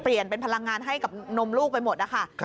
เปลี่ยนเป็นพลังงานให้กับนมลูกไปหมดนะคะ